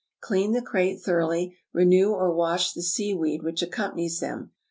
Clean the crate thoroughly, renew or wash the seaweed which accompanies them.